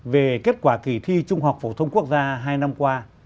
về kết quả kỳ thi trung học phổ thông quốc gia hai năm qua